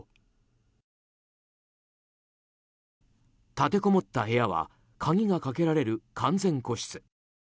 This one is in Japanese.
立てこもった部屋は鍵がかけられる完全個室。